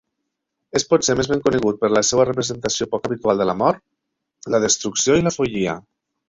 És potser més ben conegut per la seva representació poc habitual de la mort, la destrucció i la follia.